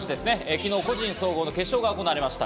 昨日、個人総合の決勝が行われました。